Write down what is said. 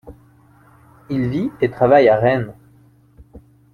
Il vit et travaille à Rennes.